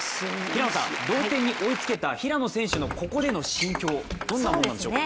平野さん、同点に追いつけた平野選手の心境、どんなものでしょうか。